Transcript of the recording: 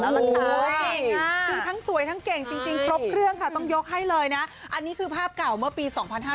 คือทั้งสวยทั้งเห็นความเก็บจริงจริงครบเครื่องค่ะอันนี้คือภาพเก่าเมื่อปี๒๕๖๑